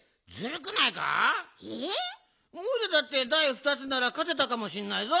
おいらだってだいふたつならかてたかもしんないぞ。